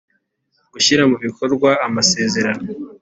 gushyira mu bikorwa amasezerano